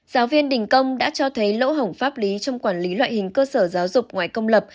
giáo viên đình công đã cho thấy lỗ hổng pháp lý trong quản lý loại hình cơ sở giáo dục ngoài công lập